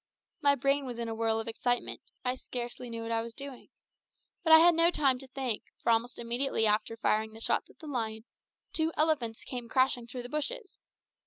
My brain was in a whirl of excitement; I scarce knew what I was doing. But I had no time to think, for almost immediately after firing the shots at the lion, two elephants came crashing through the bushes.